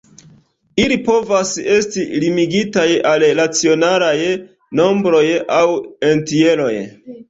Ili povas esti limigitaj al racionalaj nombroj aŭ entjeroj.